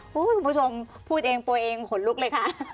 คุณผู้ชมพูดเองป่วยเองหลุกเลยค่ะ